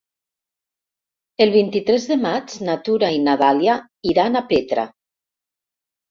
El vint-i-tres de maig na Tura i na Dàlia iran a Petra.